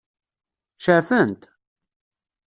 Ceɛfent?